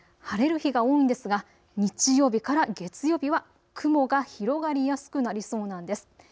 晴れる日が多いですが日曜日から月曜日は雲が広がりやすくなりそうなんです。